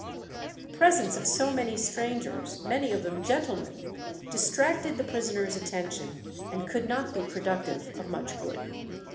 The presence of so many strangers, many of them gentlemen, distracted the prisoners' attention, and could not be productive of much good.